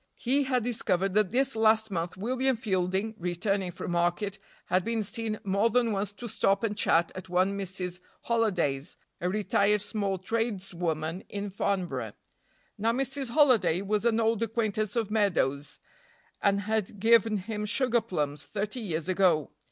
He had discovered that this last month William Fielding, returning from market, had been seen more than once to stop and chat at one Mrs. Holiday's, a retired small tradeswoman in Farnborough. Now Mrs. Holiday was an old acquaintance of Meadows' and had given him sugar plums thirty years ago.